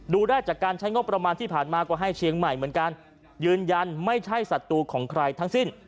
ได้จากการใช้งบประมาณที่ผ่านมาก็ให้เชียงใหม่เหมือนกันยืนยันไม่ใช่ศัตรูของใครทั้งสิ้น